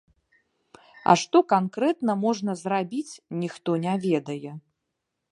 А што канкрэтна можна зрабіць, ніхто не ведае.